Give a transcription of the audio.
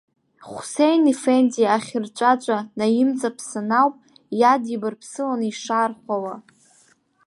Хәсеин-ефенди ахьырҵәаҵәа наимҵаԥсан ауп, иадибарԥсыланы ишаархәауа.